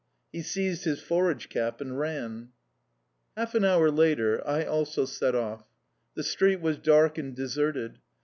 He seized his forage cap and ran. Half an hour later I also set off. The street was dark and deserted.